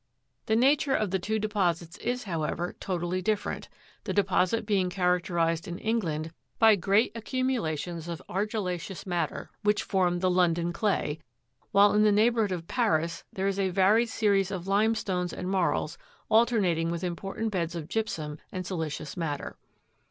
The nature of the two deposits is, how ever, totally different, the deposit being characterized in England by great accumulations of argillaceous matter, which form the London clay, while in the neighbourhood of Paris there is a varied series of limestones and marls, alternating with important beds of gypsum and silicious matter.